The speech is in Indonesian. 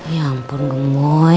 ya ampun gemoy